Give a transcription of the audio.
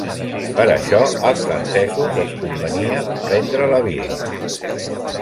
Per això als francesos els convenia prendre la vila.